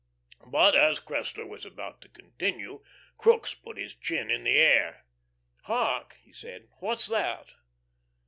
But as Cressler was about to continue Crookes put his chin in the air. "Hark!" he said. "What's that?"